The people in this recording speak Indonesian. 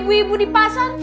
ibu ibu di pasar